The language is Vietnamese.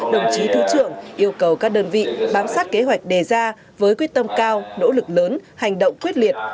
đồng chí thứ trưởng yêu cầu các đơn vị bám sát kế hoạch đề ra với quyết tâm cao nỗ lực lớn hành động quyết liệt